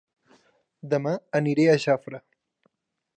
Dema aniré a Jafre